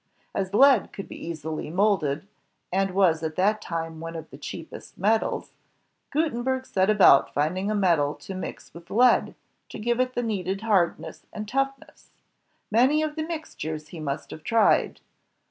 As lead could be easily molded, and was at that time one of the cheapest metals, Gutenberg set about finding a metal to mix with lead, to give it the needed hardness and toughness. Many are the mixtures he must have tried.